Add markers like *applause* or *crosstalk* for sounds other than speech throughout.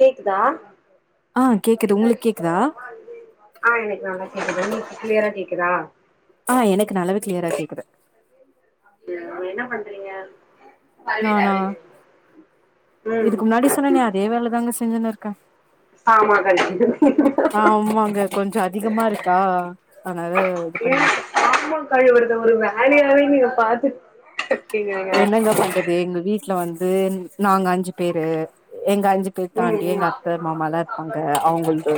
கேக்குதா ஆ கேக்குது உங்ளுக்கு கேக்குதா ஆ எனக்கு நல்லா கேக்குது உங்ளுக்கு கிளியரா கேக்குதா ஆ எனக்கு நல்லாவே கிளியரா கேக்குது ம் என்ன பண்றீங்க நானா ம் இதே வேல தாங்க செஞ்சின்னு இருக்க ஆமா கடைக்கு ஆமாங்க கொஞ்சோ அதிகமா இருக்கா அதனால இது பண்ணி இருக்க ஆமா அக்கா இவரது வேலையே நீங்க பாத்துருக்கீங்க என்னங்க பண்றது எங்க வீட்ல வந்து நாங்க அஞ்சி பேரு எங்க அஞ்சி பேர் ம் தாண்டி எங்க ம் அத்த மாமா எல்லா இருப்பாங்க அவுங்ளுது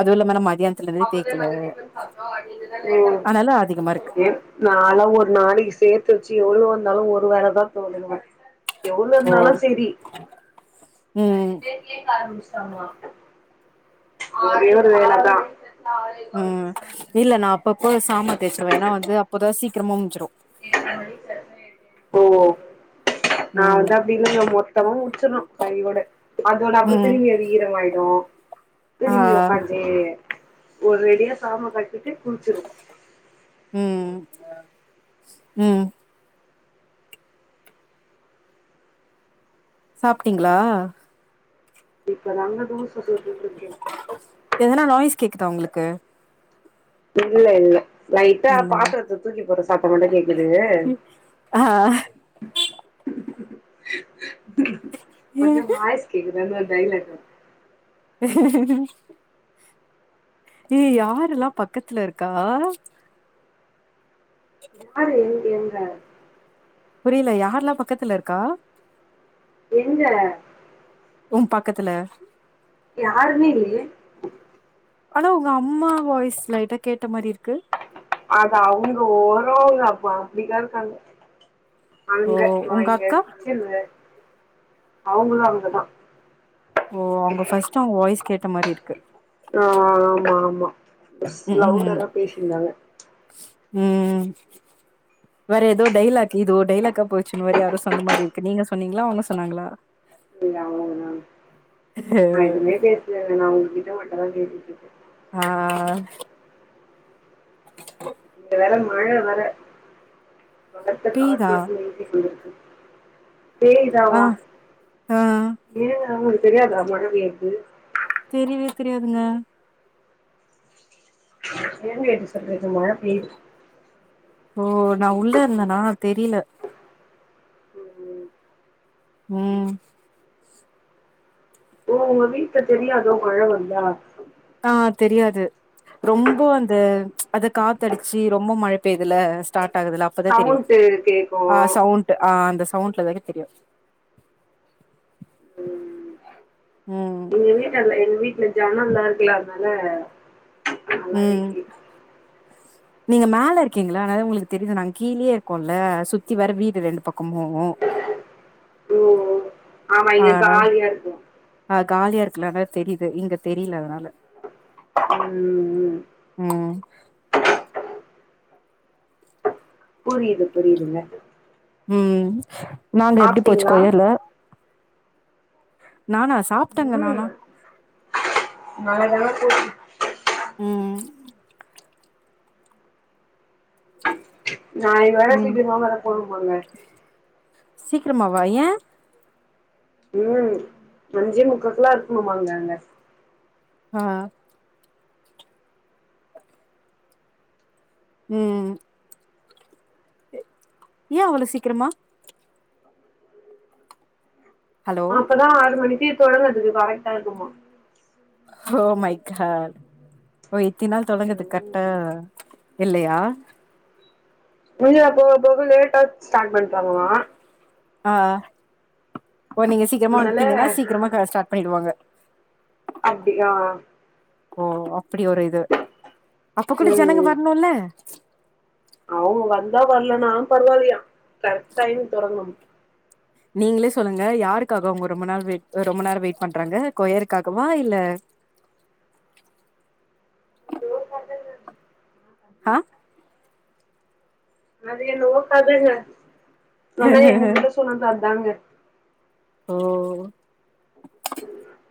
அதுவுஇல்லாம நா மதியானத் *inaudible* அதனால அதிகமா இருக்கு நால ஒரு நாளைக்கு சேத்து வச்சு எவ்ளோ வந்தாலு ஒரு வேலைதா போடனு ஓ எவளோஇருந்தாலு சேரி நேரிய ம் பேர் கேக்க ஆராமிச்சுருவாங்களா ஒரே ஒரு வேல தா ம் இல்ல நா அப்பப்போ சாமா தேச்சிருவ ஏனா வந்து அப்போதா சீக்கிரமா முஜிசிரு ஓ நா ம் வந்து அப்டி இல்லங்க மொத்தா முடிச்சிறுனு கையோட அதோட அப்றோ ம் திரும்பி அது ஈரமா ஆயிடு ஆ திரும்பி உக்காஞ்சு ஒரு ரெடியா சாம கலடிட்டு குளிச்சிறது ம் ம் சாப்ட்டீங்ளா இப்ப தாங்க தோச சுட்டுட்டு இருக்கே எதனா நாய்ஸ் கேக்குதா உங்களுக்கு இல்ல இல்ல லைட்டா இல்ல இல்ல பாத்தரத்த தூக்கி போட்ற சத்தோ மாட்டு கேக்குது ஆ இது ஒரு வாயஸ் கேக்குது ஒரு டைலாக *unintelligible* ஏ யாருல்லா பக்கத்துல இருக்கா யாரு எங்க புரில யார்லா பக்கத்துல இருக்கா எங்க உ பக்கத்துல யாருமே இல்லையே ஆனா உங்க அம்மா வாய்ஸ் லைட்டா கேட்ட மாரி இருக்கு அதா அவுங்க ஓரோ அப்போ அப்டிக்கா இருக்காங்க ஓ அங்க நா உங்க இங்க அக்கா கிச்சன்ல அவுங்களு அங்கதா ஓ அவுங்க ஃபர்ஸ்ட் அவுங்க வாய்ஸ் கேட்ட மாரி இருக்கு ஆ ஆமா ஆமா ம் ம் லவ்ட்டரா பேசிருந்தாங்க ம் வேற ஏதோ டைலாக் இது ஓரு டைலாக்கா போசுன்னு வேற யாரோ சொன்ன மாரி இருக்கு நீங்கசொன்னீங்ளா அவுங்க சொன்னாங்ளா இல்ல அவுங்க தா நா எதுவுமே பேசல நா உங்ககிட்ட மட்டு தா பேசிட்டு இருக்கே ஆ அ இங்க வேற மழ வேற பலத்த பேய்தா காற்றுடன் வீசிக் கொண்டிருக்கு ஏங்க ஆ ஆ உங்களுக்கு தெரியாதா மழ பெய்ரது தெரிவே தெரியாதுங்க எங்க இப்டி சொல்றிங்க மழ பெய்து ஓ நா உள்ள இருந்தேனா தெரில ம் ம் ம் ஓ உங்க வீட்ல தெரியாதோ மழ வந்தா ஆ தெரியாது ரொம்ப அந்த அத காத்தடிச்சு ரொம்ப மழ பெய்துல்ல ஸ்டார்ட் ஆகுதுல அப்பதா தெரியு சவுண்ட் கேக்கு ஆ சவுண்ட் ஆ அந்த சவுண்ட்ல தா தெரியு ம் ம் எங்க வீட்ல்ல எங்க வீட்ல ஜன்னல்லா இருக்குல்ல அதனால நல்லாவே கேக்கு ஆஹ நீங்க மேல இருக்கீங்கல அதனால உங்களுக்கு தெரிது நாங்க கீழேயே இருக்கோம்ல சுத்தி வேற வீடு ரெண்டு பக்கமு ஓ ஆமா இங்க அதனால காலியா இருக்கு ஆ காலியா இருக்குல்ல அதனால தெரிது இங்க தெரில அதனால ம் ம் ம் புரியுது புரியுதுங்க ம் நாங்க எப்டி போச்சு சாப்ட்டீங்களா கொயர்ல நானா ஸ் ம் நல்லா தாங்க போது ம் ம் நாளைக்கு வேற ம் சீக்கரமா வேற போணு போலங்க சீக்கிரமவா ஏ *inaudible* அஞ்சே முக்கால்கலா இருக்கணுமாங்க அங்க ஆ ம் ஏ அவ்ளோ சீக்கரமா ஹலோ அப்பதா ஆறு மணிக்கி தொடங்கறதுக்கு கரெக்டா இருக்குமா ஓ மை காட் ஓ இத்தின் நாள் தொடங்கறதுக்கு ம் கரெக்டா இல்லயா பூஜைல போக போக லேட்டா ஸ்டார்ட் பண்றாங்களா ஆ ஓ நீங்க சீக்கிரமா அதனால வந்ட்டீங்கனா சீக்கிரமா க ஸ்டார்ட் பண்ணிடுவாங்க அப்டி ஆ ஆ ஓ அப்டி ஒரு இது அப்ப கூட ஜனங்க வர்ணுல அவுங்க வந்தா வர்லனாலு பரவால்லயா கரெக்ட் டைம்க்கு தொறங்கணு நீங்களே சொல்லுங்க யாருக்காக அவுங்க ரொம்ப நாள் வெயிட் ரொம்ப நேர வெயிட் பண்றாங்க கொயருக்காகவா இல்ல *inaudible* அ அது என்னமோ கதங்க ஆனா எங்ககிட்ட சொன்னது அத்தாங்க ஓ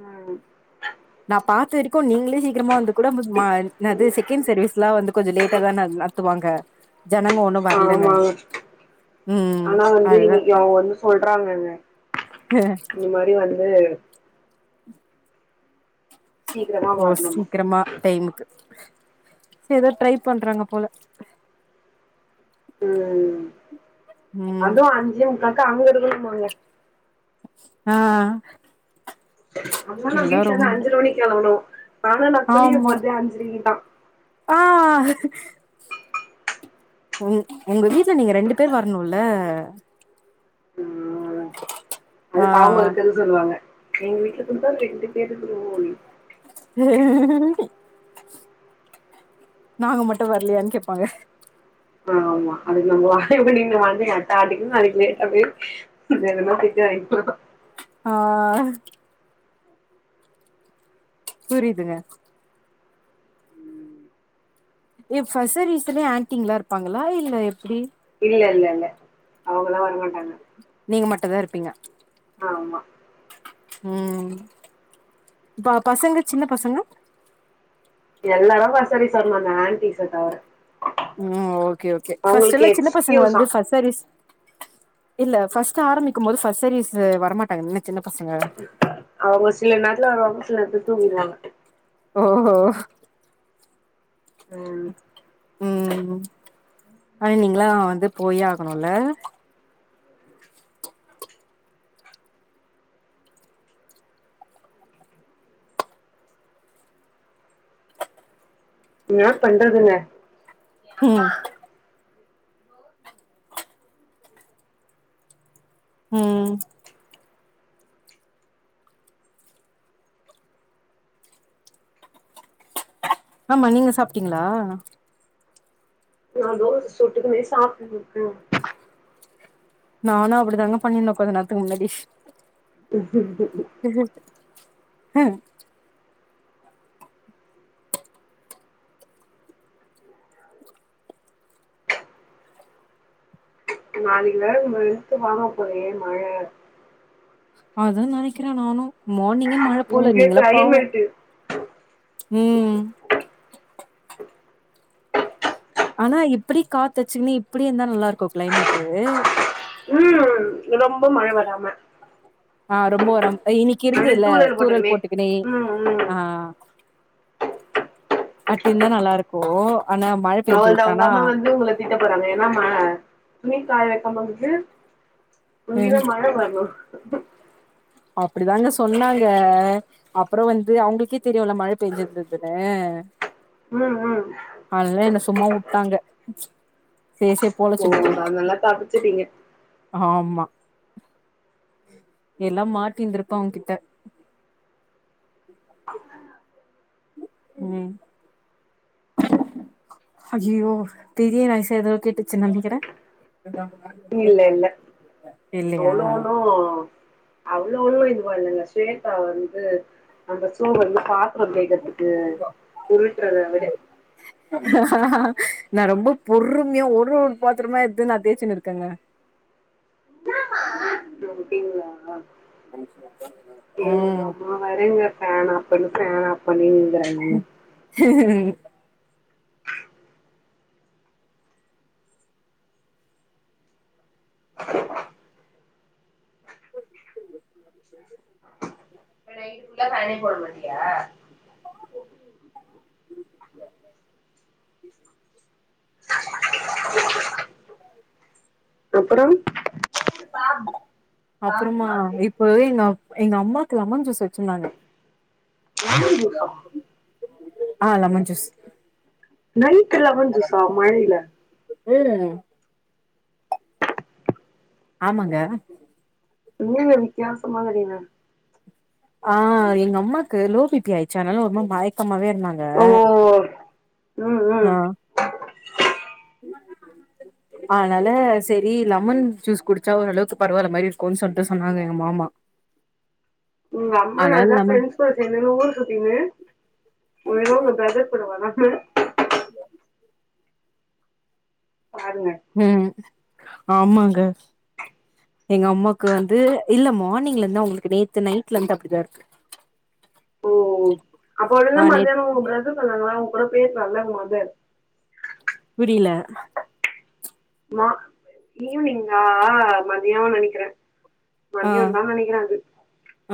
ம் நா பாத்த வரைக்கு நீங்களே சீக்கிரமா வந்து கூட *unintelligible* என்னது செகண்ட் சர்வீஸ் எலா வந்து கொஞ்சோ லேட்டா தா நல்லா த்துவாங்க ஜனங்க ஒன்னு வர்லன்னு ஆமாங்க ஆனா வந்து இன்னைக்கி அவுங்க வந்து சொல்றாங்கங்க இந்த மா ரி வந்து சீக்கிரமா ஓ வரணுமா சீக்கிரமா டைமுக்கு ஏதோ ட்ரை பண்றாங்க போல ம் ம் ம் ம் அதுவு அஞ்சே முக்காக்கு அங்க இருக்கனுமாங்க ஆ அம்மா நா எல்லா வீட்ல இருந்து ரொம்ப அஞ்சர மணிக்கு கெளம்பனு ஆனா நா குளிக்க ஆமா போறதே அஞ்சரைக்கு தா ஆ உங் உங்க வீட்ல நீங்க ரெண்டு பேர் வர்ணுல அது ஆ காக இருக்கறன்னு சொல்லுவாங்க எங்க வீட்ல குடுத்த ரெண்டு பேரு *unintelligible* நாங்க மட்டு வர்லயான்னு கேட்பாங்க ஆமா அதுக்கு நாம வாய மூடிக்கிண்டு வந்து அடுத்த *unintelligible* நாளைக்கு லேட்டா போய் வேணுனா திட்டு வாங்கிகிலன் ஆ புரியுதுங்க ஏ ஃபர்ஸ் சர்வீசலே ஆன்டிங்லா இருப்பாங்களா இல்ல எப்டி இல்ல இல்ல இல்ல அவங்களா வரமாட்டாங்க நீங்க மட்டுதா இருப்பீங்க ஆமா ம் ப பசங்க சின்ன பசங்க எல்லாரு ஃபஸ்ட் சர்வீஸ் வர்னு அந்த ஆன்டிஷ தவற ம் ஓகே ஓகே ஃபர்ஸ்ட் எல்லா சின்ன பசங்க எக்ஸ்கியூஸா வந்து ஃபர்ஸ் சர்வீஸ் இல்ல ஃபர்ஸ்ட் ஆரம்பிக்கு போது ஃபஸ்ட் சர்வீஸ் வரமாட்டாங்க என்ன சின்ன பசங்க அவுங்க சில நேரத்துல வருவாங்க சில *inaudible* ஓ ஹோ ஓ உம் ஆனா நீங்கல்லா வந்து போயே ஆகணும் இல்ல என்னா பண்றதுங்க ம் ம் ஆமா நீங்க சாப்ட்டீங்களா நா தோசை சுட்டுகுனே சாப்ட்டுட்டு இருக்கறோ நானும் அப்படிதாங்க பண்ணியிருந்த கொஞ்ச நேரத்துக்கு முன்னாடி *unintelligible* திவ்யாவுது ம் நாளைக்கு வேற வெளுத்து வாங்கப் போதே மழை அத்தா நெனைக்கறே நானும் மார்னிங்கே மழை போல இங்க நீங்கல்லா பாவோ கிளைமேட்டு உம் ஆனா இப்படி காத்து அடிச்சுங்கன்னே இப்படி இருந்தா நல்லா இருக்கும் கிளைமேட்டு உம் ரொம்ப மழை வராம ஆ ரொம்ப வராம இன்னிக்கு அப்டியே இருந்ததுல்ல தூறல் போட்டதுமே போட்டுக்கினே ம் ம் ஆ பட் இருந்தா நல்லா இருக்கும் ஆனா மழ பெஞ்சு அவள் தா உங்க வுட்டானா அம்மா வந்து உங்கள திட்ட போறாங்க என்னா மா துணி காய வெக்கும் போது ம் *unintelligible* மழை வரணும் அப்படிதாங்க சொன்னாங்க அப்புறம் வந்து அவுங்களுக்கே தெரியு இல்ல மழை பெஞ்சியிருந்தன்னு உம் உம் அதல்லா என்ன சும்மா உட்டாங்க சேர் சேரி போலச்சு போணுன்னு தப்புச்சிட்டீங்க ஆமா எல்லா மாட்டின்ருப்பா அவங்கிட்ட உம் ஐயியய்யோ பெரிய ராசியா ஏதோ கேட்டுச்சுனு நினைக்கிறே *unintelligible* இல்ல இல்ல னோ இல்லையா னோ னோ அவ்ளோ அவ்ளோல்லா இதுவா இல்லைங்க ஸ்வேதா வந்து அந்த சூ வந்து பாத் சும்மா ஜெய்கற்துக்கு உருட்டுறத விட ஆ நா ரொம்ப பொறுமையா ஒரு ஒரு பாத்திரமா எடுதுன்னு நா தேய்ச்சுன்னு இருக்கேங்க அப்படிங்களா உம் ஆ வரேங்க ஃபேன் ஆஃப் பண்ணு ஃபேன் ஆஃப் பண்ணுனு நிக்கறாரு உம் *unintelligible* அப்ப நைட் ஃபுல்லா ஃபேனே போட மாட்டியா *unintelligible* அப்பறம் அப்புறமா இப்பவே எங்க அப் எங்க அம்மாக்கு லெமன் ஜூஸ்சு வைக் சொன்னாங்க லெமன் ஜூஸா ஆ லெமன் ஜூஸ் நைட் லெமன் ஜூஸா மழைல வேற ஆமாங்க என்னங்க வித்தியாசமான ஜீவன் ஆ எங்க அம்மாக்கு லோபிபி ஆயிச்சு அதனால ரொம்ப மயக்கமாவே இருந்தாங்க ஓ ம் அ ஆ ம் *inaudible* அதனால செரி லெமன் ஜூஸ் குடிச்சா ஓரளவுக்கு பரவால்ல மாரி இருக்குன் சொல்ட்டு சொன்னாங்க எங்க மாமா உங்க அம்மா அதனால நல்லா லெமன் ஃப்ரெண்ட்ஸ் கூட சேந்தின்னு ஊர்சுத்தினு ஏதோ ஒரு பிரதர் கூட வரோன்னு பாருங்க ம் ஆமாங்க எங்க அம்மாக்கு வந்து இல்ல மார்னிங்ல இருந்து அவுங்களுக்கு நேத்து நைட்ல இருந்து அப்டிதா இருக்கு ஓ அப்ப ஆ ஒருவேளை நேத் மத்தியான உங்க பிரதர் சொன்னாங்ளா அவுங்க கூட பேசலால உங்க மதர் புரில மா ஈவினிங்கா மதியனு நினைக்கிற ஆ மதிய தா நெனைக்கிற அது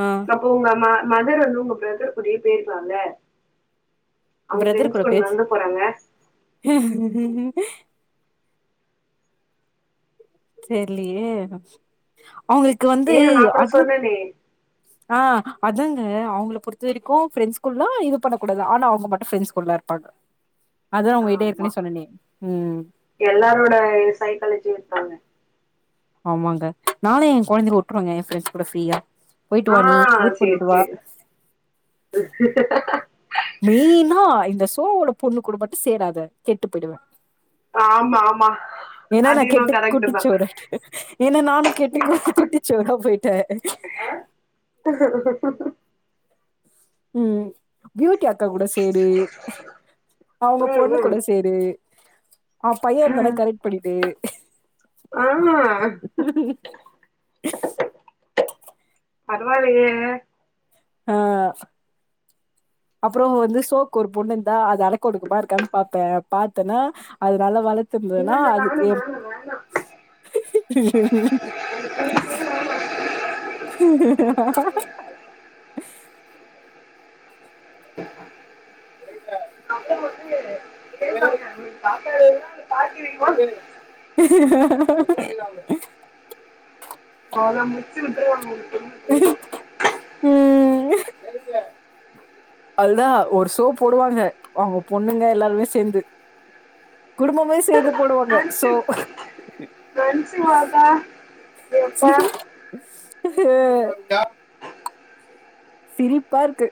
ஆ உங்க ம மதர் வந்து உங்க பிரதர் கூடயே பேசலால பிரதர் கூட பேச நடந்து போறாங்க தெர்லயே அவங்களுக்கு வந்து ஏன் நான் கூட அது சொன்னேனே ஆ அதாங்க அவங்கள பொறுத்த வரைக்கு ஃப்ரெண்ட்ஸ்குல்லா இது பண்ணக்க கூடாது ஆனா அவங்க மட்டு ஃப்ரெண்ட்ஸ் கூடலா இருப்பாங்க அதுதா உங்ககிட்ட ஆமா ஏற்கனவே சொன்னனே ம் எல்லாரோட சைக்காலஜி இருக்காங்க ஆமாங்க நானு எ கொழந்தைகள விட்ருவங்க எ ஃப்ரெண்ட்ஸ் கூட ஃப்ரீயா போயிட்டு வா ஆ நீ ஊர் சேரி பொடுத்துட்டு வா சேரி மெயினா இந்த சோவோட பொண்ணு கூட மட்டு சேராத கெட்டு போய்டுவ ஆமா ஆமா ஏன்னா அது நான் என்னவோ கெட்டு கரெக்ட் தான் குட்டிசொவரு ஆய்ட்ட ஏன்னா நானு கெட்டு குட்டிசொவரா போய்ட்ட ஹிஹிஹி ம் பியூட்டி அக்கா கூட சேரு அவங்க பொண்ணு ம் கூட சேரு ம் அவ பைய இருந்தானா கரெக்ட் பண்ணிவுடு ஆமா பரவா இல்லயே ஆ அப்ற வந்து சோக்கு ஒரு பொண்ணு இருந்தா அது அடக்க ஒடுக்கமா இருக்கான் பாப்ப பாத்தன்னா அது நல்லா வேலை இல்ல இருந்துதுனா இல்ல அதுக்கு வேணாம் வேணாம் வேணாம் ஹாஹாஹா அப்பற வந்து கேப்பாங்க நீ சாப்டதயெல்லா பாட்டி வில் ஒன் ஹிஹிஹி அவ்ளோதா முடிச்சு விட்ருவாங்க ம் அதுதா ஒரு ஷோ போடுவாங்க அவுங்க பொண்ணுங்க எல்லாருமே சேந்து குடும்பமே சேந்து போடுவாங்க நினைச்சு சோ நினைச்சு வாக்கா சீ எப்பா ஹே சிரிப்பா இருக்கு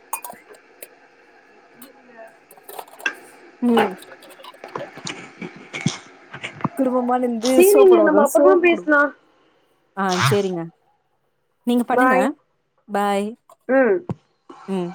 ம் குடும்பமா நிந்து சோப் சரிங்க போடுவாங்க நம்ம அப்புறமா சோக் குடும்போ பேசலாம் ஆ சேரிங்க நீங்க பண்ணுங்க பாய் பாய் ம் ம்